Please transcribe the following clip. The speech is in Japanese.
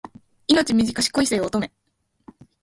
命短し恋せよ乙女